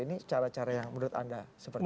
ini cara cara yang menurut anda seperti apa